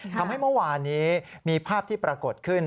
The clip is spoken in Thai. ทำให้เมื่อวานนี้มีภาพที่ปรากฏขึ้น